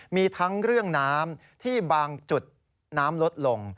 มีทั้งเรื่องน้ำที่บางจุดน้ำลดลง